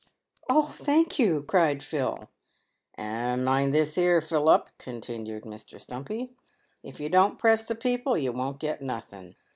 " Oh, thank you," cried Phil. "And mind this here, Philup," continued Mr. Stumpy, "if you don't press the people you won't get nothing.